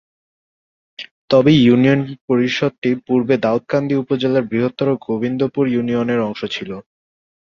তবে এ ইউনিয়ন পরিষদটি পূর্বে দাউদকান্দি উপজেলার বৃহত্তর গোবিন্দপুর ইউনিয়নের অংশ ছিল।